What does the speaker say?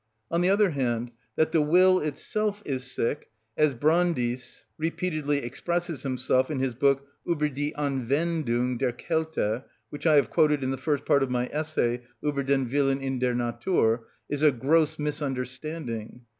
On the other hand, that the will itself is sick, as Brandis repeatedly expresses himself in his book, "Ueber die Anwendung der Kälte," which I have quoted in the first part of my essay, "Ueber den Willen in der Natur," is a gross misunderstanding.